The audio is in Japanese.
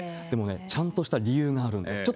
でも、ちゃんとした理由があるんです。